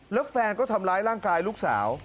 แล้วแฟนก็ทำร้ายร่างกายลูกสาว